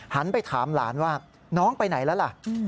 หันไปถามหลานว่าน้องไปไหนแล้วล่ะ